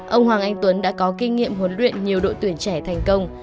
ông hoàng anh tuấn đã có kinh nghiệm huấn luyện nhiều đội tuyển trẻ thành công